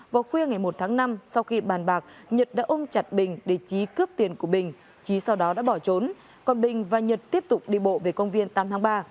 vào khuya ngày một tháng năm sau khi bàn bạc nhật đã ôm chặt bình để trí cướp tiền của bình trí sau đó đã bỏ trốn còn bình và nhật tiếp tục đi bộ về công viên tám tháng ba